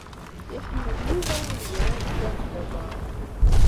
Iḥemmel Yuba ad yurar ddabex n uḍaṛ.